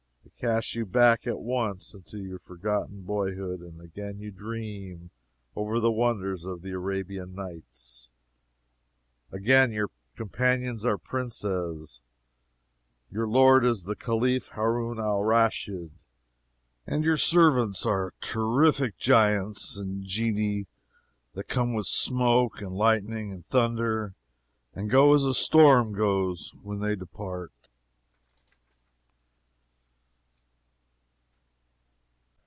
It casts you back at once into your forgotten boyhood, and again you dream over the wonders of the Arabian Nights; again your companions are princes, your lord is the Caliph Haroun Al Raschid, and your servants are terrific giants and genii that come with smoke and lightning and thunder, and go as a storm goes when they depart!